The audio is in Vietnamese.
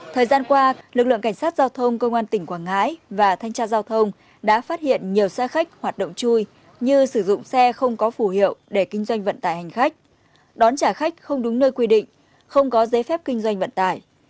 thời gian qua lực lượng cảnh sát giao thông công an tỉnh quảng ngãi và thanh tra giao thông đã phát hiện nhiều xe khách hoạt động chui như sử dụng xe không có phủ hiệu để kinh doanh vận tải hành khách đón trả khách không đúng nơi quy định không có giấy phép kinh doanh vận tải